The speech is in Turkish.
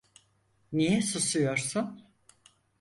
Niye susuyorsun?